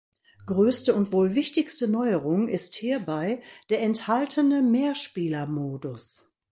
Größte und wohl wichtigste Neuerung ist hierbei der enthaltene Mehrspieler-Modus.